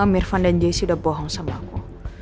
mirvan dan jessi udah bohong sama aku